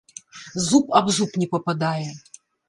Зуб аб зуб не пападае.